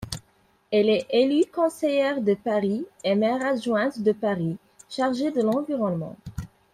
Elle est élue conseillère de Paris et maire-adjointe de Paris, chargée de l'environnement.